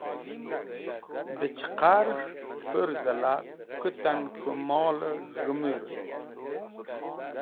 Dẽ cheqarẽs̃h pũrzẽ la kũtan k̃hũ molẽ z̃hemurẽn